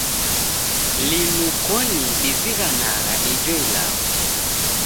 Linu koni dizighanagha ijo ilagho.